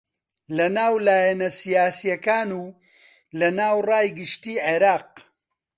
لەناو لایەنە سیاسییەکان و لەناو ڕای گشتی عێراق